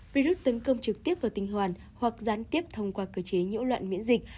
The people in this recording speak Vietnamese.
virus tấn công trực tiếp vào tình hoàn hoặc gián tiếp thông qua cơ chế nhũ loạn miễn dịch